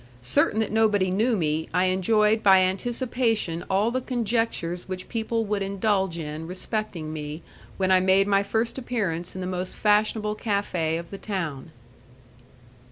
Certain that nobody knew me, I enjoyed by anticipation all the conjectures which people would indulge in respecting me, when I made my first appearance in the most fashionable cafe of the town.